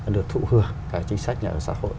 được thụ hưởng cả chính sách nhà ở xã hội